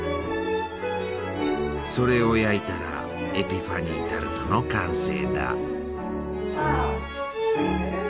それを焼いたらエピファニータルトの完成だ！